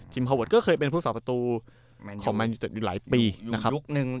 ทิมฮาวอทก็เคยเป็นผู้ศึกษาประตูของมันอยู่หลายปีนะครับ